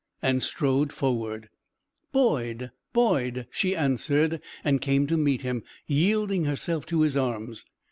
and strode forward. "Boyd! Boyd!" she answered and came to meet him, yielding herself to his arms.